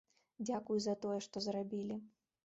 Дзякуй за тое, што зрабілі!